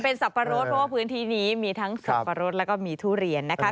เป็นสับปะรดเพราะว่าพื้นที่นี้มีทั้งสับปะรดแล้วก็มีทุเรียนนะคะ